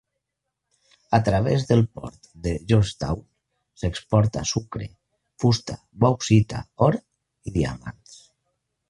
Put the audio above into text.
A través del port de Georgetown s'exporta sucre, fusta, bauxita, or i diamants.